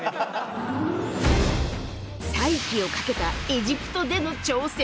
再起をかけたエジプトでの挑戦。